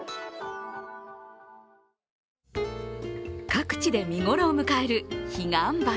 各地で見頃を迎える彼岸花。